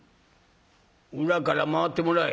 裏から回ってもらえ。